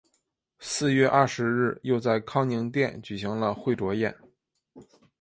四月二十日又在康宁殿举行了会酌宴。